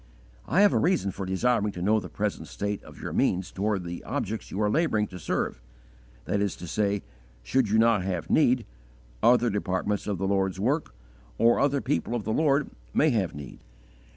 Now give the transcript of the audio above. I have a reason for desiring to know the present state of your means towards the objects you are labouring to serve: viz., should you not have need, other departments of the Lord's work, or other people of the Lord, may have need.